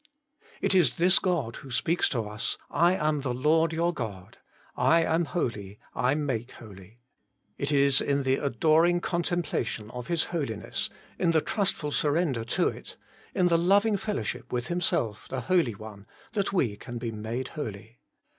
It is this God who speaks to us, 'I am the Lord your God : I am holy : I make holy.' It is THE HOLY ONE OF ISRAEL. 105 in the adoring contemplation of His Holiness, in the trustful surrender to it, in the loving fellowship with Himself, the Holy One, that we can be made holy.